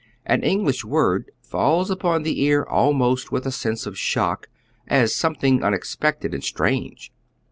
An English word falls upon the ear almost with a sense of shock, as something unexpected and strange.